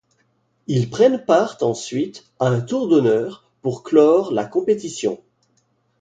Ils prennent part ensuite à un tour d'honneur pour clore la compétition.